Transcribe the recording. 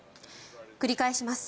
繰り返します。